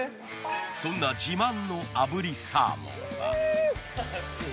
そんな自慢のあぶりサーモンは。